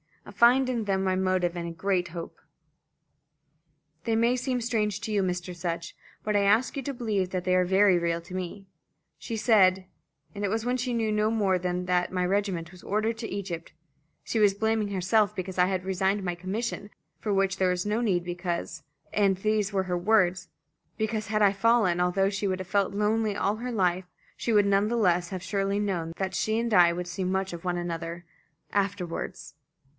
I find in them my motive and a great hope. They may seem strange to you, Mr. Sutch; but I ask you to believe that they are very real to me. She said it was when she knew no more than that my regiment was ordered to Egypt she was blaming herself because I had resigned my commission, for which there was no need, because and these were her words because had I fallen, although she would have felt lonely all her life, she would none the less have surely known that she and I would see much of one another afterwards."